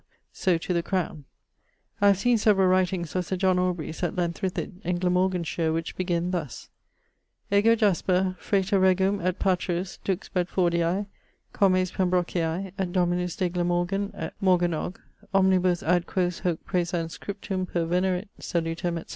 so to the crowne. I have seen severall writings of Sir John Aubrey's at Llantrithid in Glamorganshire, which beginne thus: 'Ego Jaspar, frater regum et patruus, dux Bedfordiae, comes Pembrochiae, et dominus de Glamorgan et Morgannog, omnibus ad quos hoc presens scriptum pervenerit, salutem, etc.'